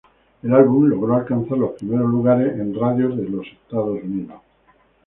El álbum logró alcanzar los primeros lugares en radios de Estados Unidos.